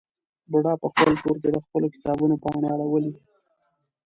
بوډا په خپل کور کې د خپلو کتابونو پاڼې اړولې.